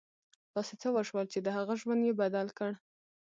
داسې څه وشول چې د هغه ژوند یې بدل کړ